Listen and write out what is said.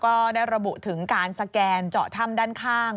ก็ได้ระบุถึงการสแกนเจาะถ้ำด้านข้าง